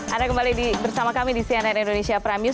ada kembali bersama kami di cnn indonesia prad news